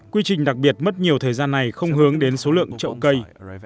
quy trình đặc biệt mất nhiều thời gian này không hướng đến số lượng trậu cây